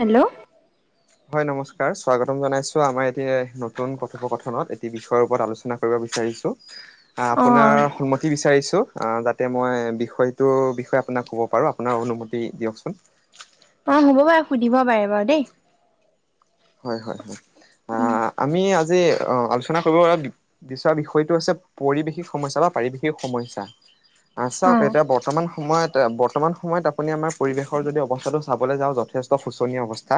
Hello'- হয়, নমস্কাৰ, স্বাগতম জনাইছো আমাৰ এতিয়া নতুন কথোপকথনত এটি বিষয়ৰ ওপৰত আলোচনা- কৰিব বিচাৰিছো। [inaudible] আপোনাৰ সন্মতি বিচাৰিছো। যাতে মই বিষয়টোৰ বিষয়ে আপোনাক ক'ব পাৰোঁ, আপোনাৰ অনুমতি দিয়কচোন। অ' হ'ব পাৰে সুধিব পাৰে বাৰু দেই। হয় হয় হয়। উম। আহ আমি আজি অ আলোচনা কৰিব পৰা- বিচৰা বিষয়টো হৈছে পৰিৱেশিক সমস্যা বা পাৰিবেশিক সমস্যা। অ চাওক এতিয়া- বৰ্তমান সময়ত বৰ্তমান সময়ত আপুনি আমাৰ পৰিৱেশৰ যদি অৱস্থাটো চাবলৈ যাওঁ যথেষ্ট শোচনীয় অৱস্থা।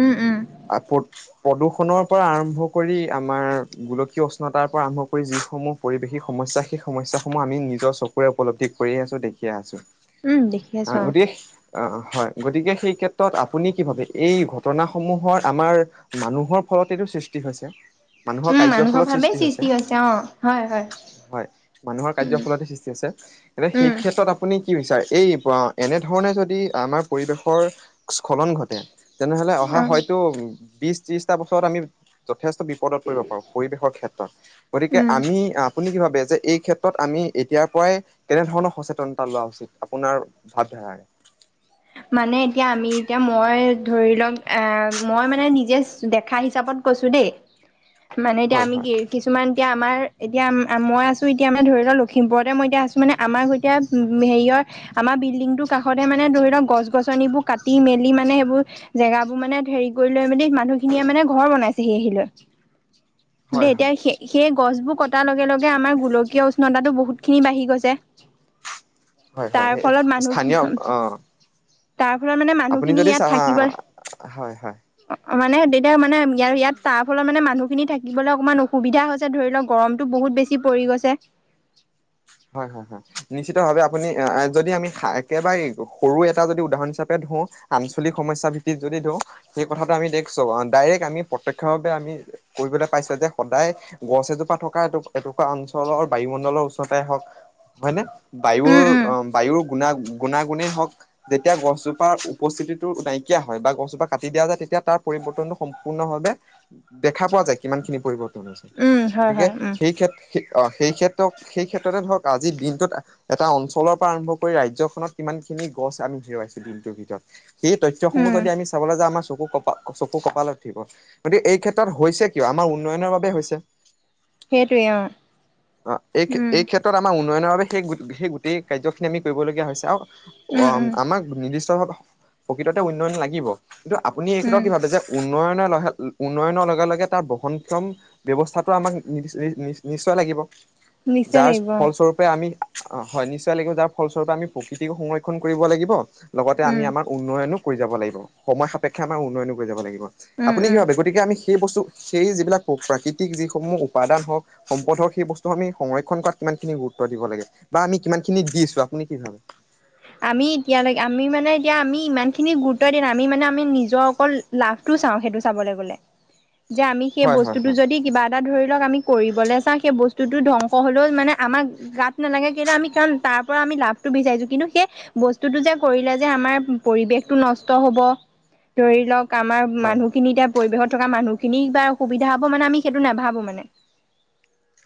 উম উম। আপদ- প্ৰদূষণৰ পৰা আৰম্ভ কৰি আমাৰ গোলকীয় উষ্ণতাৰ পৰা আৰম্ভ কৰি যিসমূহ- পৰিৱেশিক সমস্যা সেই সমস্যাসমূহ আমি নিজৰ চকুৰে উপলব্ধি কৰিয়ে আছো দেখিয়ে আছো। উম দেখি আ আছো অ [unintelligible] অ' হয়, গতিকে সেই ক্ষেত্ৰত আপুনি কি ভাবে এই ঘটনাসমূহৰ- আমাৰ মানুহৰ ফলত এইটো সৃষ্টি হৈছে উম মানুহৰ ভাৱেই সৃষ্টি হৈছে অ হয় হয় হয় মানুহৰ কাৰ্য উম ফলতে সৃষ্টি আছে এতি সেই উম ক্ষেত্ৰত আপুনি কি বিচাৰে এই এনেধৰণে যদি আমাৰ পৰিৱেশৰ স্থলন ঘটে তেনেহ'লে অহা অ হয়তো বিশ ত্ৰিশটা বছৰত আমি যথেষ্ট পদত কৰিব পাৰোঁ পৰিৱেশৰ ক্ষেত্ৰত গতিকে উম আমি আ আপুনি কি ভাবে যে এই ক্ষেত্ৰত আমি এতিয়াৰ পৰাই কেনে ধৰণৰ সচেতনতা লোৱা উচিত আপোনাৰ ভাৱ ধাৰাৰে মানে এতিয়া আমি এতিয়া মই ধৰি লওক এ মই মানে নিজে দেখা হিচাপত কৈছো দেই মানে এতিয়া হয় আমি হয় কিছু কিছুমান এতিয়া আমাৰ এতিয়া মই আছো এতিয়া মানে ধৰি লওক লখিমপুৰতে মই এতিয়া আছো মানে আমাৰ স‌ই হেৰিয়ৰ আমাৰ বিল্ডিংটোৰ কাষতে মানে ধৰি লওক গছ গছনিবোৰ কাটি মেলি মানে সেইবোৰ জেগাবোৰ মানে হেৰি কৰি লৈ মেলি মানুহখিনিয়ে মানে ঘৰ বনাইছে সি হিলৈ দে হয় এতিয়া সেই সেই গছবোৰ কটাৰ লগে লগে আমাৰ গোলকীয় উষ্ণতাটো বহুত খিনি বাঢ়ি গৈছে। হয় হয় তাৰ হয় ফলত মানুহ কি স্থানীয় হ অ তাৰ ফলত মানে আপুনি মানুহখিনি যদি চা ইয়াত হয় হয় থাকিব‌ই অ মানে তেতিয়া মানে ই ইয়াত তাৰ ফলত মানে মানুহ খিনি থাকিবলৈ অকমান অসুবিধা হৈছে ধৰি লওক গৰমটো বহুত বেছি পৰি গৈছে। হয় হয় হয়। নিশ্চিত ভাৱে আপুনি এ যদি আমি একেবাৰে সৰু এটা যদি উদাহৰণ হিচাপে ধৰোঁ আঞ্চলিক সমস্যা ভিত্তিত যদি ধওঁ সেই কথাটো আমি দেখছো ডাইৰেক্ট আমি প্ৰত্যক্ষভাৱে আমি কৰিবলে পাইছো যে সদায় গছ এজোপা থকা এ এটুকা অঞ্চলৰ বায়ুমণ্ডলৰ ওচৰত তে হওক হয় নে? বায়ুৰ উম উম অ বায়ুৰ গুনা গুণাগুণেই হওক যেতিয়া গছজোপাৰ উপস্থিতিটো নাইকিয়া হয় বা গছজোপা কাটি দিয়া যায় তেতিয়া তাৰ পৰিৱৰ্তনো সম্পূৰ্ণ ভাৱে দেখা পোৱা যায় কিমান খিনি পৰিবৰ্তন উম হয় গতিকে হয় উম সেই ক্ষেত্ৰত অ সেই ক্ষেত্ৰত সেই ক্ষেত্ৰতে ধৰক আজি দিনটোত এটা অঞ্চলৰ পৰা আৰম্ভ কৰি ৰাজ্যখনত কিমান খিনি গছ আমি হেৰুৱাইছো দিনটোৰ ভিতৰত সেই তথ্যসমূহ উম যদি আমি চাবলৈ যাওঁ আমাৰ চকু ক চকু কপালত উঠিব, গতিকে এই ক্ষেত্ৰত হৈছে কিয় আমাৰ উন্নয়নৰ বাবে হৈছে। সেইটোৱে অ অ এই উম ক্ষেত্ৰত আমাৰ উন্নয়নৰ বাবে সেই সেই গোটেই কাৰ্যখিনি আমি কৰিবলগীয়া হৈছে, আৰু অ উম উম আমাক নিৰ্দিষ্ট ভাৱে প্ৰকৃততে উন্নয়ন লাগিব, কিন্তু আপুনি এই উম ক্ষেত্ৰত কি ভাবে যে উন্নয়নৰ লে উন্নয়নৰ লগে লগে তাৰ বহনক্ষম ব্যৱস্থাটো আমাক নিদিছ নিশ্চয় লাগিব নিশ্চয় যাৰ লাগিব অ ফলস্বৰূপ আমি অ হয় নিশ্চয় লাগিব, যাৰ ফলস্বৰূপে আমি প্ৰকৃতিক সংৰক্ষণ কৰিব লাগিব লগতে উম আমি আমাৰ উন্নয়নো কৰি যাব লাগিব, সময় সাপেক্ষে আমাৰ উন্নয়নো কৰি যাব লাগিব। উম আপুনি কি উম ভাবে গতিকে আমি সেই বস্তু সেই যিবিলাক প্ৰাকৃতিক যিসমূহ উপাদান হওক সম্পদ হওক সেই বস্তু আমি সংৰক্ষণ কৰাত কিমান খিনি গুৰুত্ব দিব লাগে, বা আমি কিমান খিনি দিছো আপুনি কি ভাবে? আমি এতিয়ালৈ আমি মানে এতিয়া আমি ইমানখিনি গুৰুত্ব দিম আমি মানে আমি নিজৰ অকল লাভটো চাওঁ সেইটো চাবলে গ'লে, যে আমি সেই হয় হয় বস্তুটো হয় যদি কিবা এটা ধৰি লওক আমি কৰিবলে চাওঁ সেই বস্তুটো ধ্বংস হলেও মানে আমাক গাত নালাগে কিন্তু আমি কাৰণ তাৰপৰা আমি লাভটো বিচাৰিছো কিন্তু সেই বস্তুটো যে কৰিলে যে আমাৰ পৰিবেশটো নষ্ট হব ধৰি লওক আমাৰ হয় মানুহখিনি এতিয়া পৰিৱেশত থকা মানুহখিনি কিবা অসুবিধা হ'ব মানে আমি সেইটো নাভাবো মানে।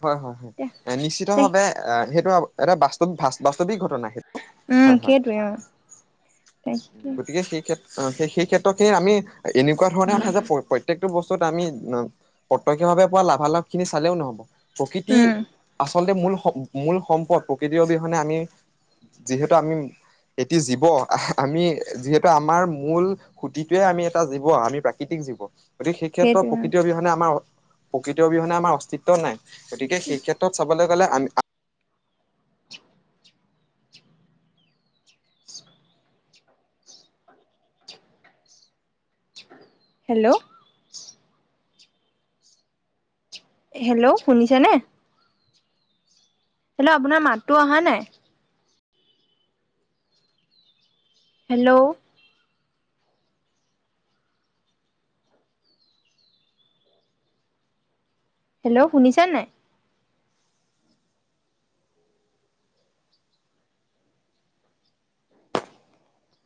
হয় হয় হয়, নিশ্চিত ভাৱে এ সেইটো এটা বাস্তৱ বাস্তৱিক ঘটনা সেইটো। উম হয় হয় সেইটোৱে উম। গতিকে সেই ক্ষেত্ৰ সেই ক্ষেত্ৰখিনি আমি এনেকুৱা ধৰণে মানে যে প প্ৰত্যেকটো বস্তুত আমি প্ৰত্যক্ষভাৱে পোৱা লাভালাভ খিনি চালেও নহব। প্ৰকৃতি উম আচলতে মূল সম মূল সম্পদ প্ৰকৃতিৰ অবিহনে আমি যিহেতু আমি এটি জীৱ আহ আমি যিহেতু আমাৰ মূল সুতিটোৱে আমি এটা জীৱ আমি প্ৰাকৃতিক জীৱ। গতিকে সেই ক্ষেত্ৰত সেইটোৱে অ প্ৰকৃৃতৰ অবিহনে আমাৰ প্ৰকৃৃতিৰ অবিহনে আমাৰ অস্তিত্ব নাই। গতিকে সেই ক্ষেত্ৰ ত চাবলে গ'লে আমি হেল্ল'। হেল্ল' শুনিছানে? হেল্ল' আপোনাৰ মাতটো অহা নাই। হেল্ল। হেল্ল' শুনিছা নে নাই?